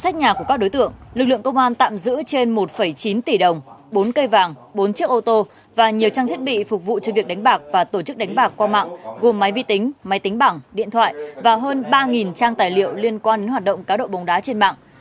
các đối tượng có nhiều trang thiết bị phục vụ cho việc đánh bạc và tổ chức đánh bạc qua mạng gồm máy vi tính máy tính bảng điện thoại và hơn ba trang tài liệu liên quan đến hoạt động cáo độ bồng đá trên mạng